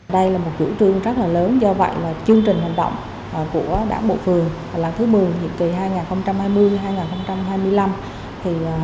đây là một chủ trương rất là lớn do vậy chương trình hành động của đảng bộ phường lần thứ một mươi nhiệm kỳ hai nghìn hai mươi hai nghìn hai mươi năm